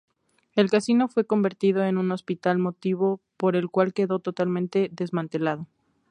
El casino fue convertido en un hospital, motivo por el cual quedó totalmente desmantelado.